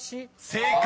［正解！